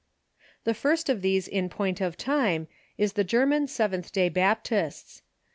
The first of these in point of time is the German Seventh Day Baptists.